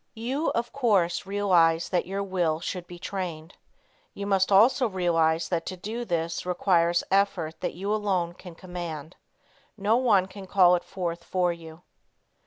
You, of course, realize that your will should be trained. You must also realize that to do this requires effort that you alone can command. No one can call it forth for you.